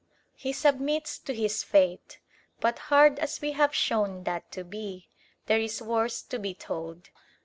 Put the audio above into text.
He submits to his fate; but hard as we have shown that to be, there is worse to be told.